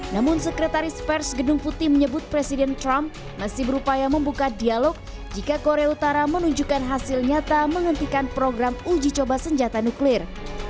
namun sekretaris pers gedung putih menyebut presiden trump masih berupaya membuka dialog jika korea utara menunjukkan hasil nyata menghentikan program uji coba senjata nuklir